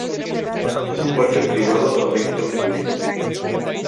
Es un parque privado abierto al público.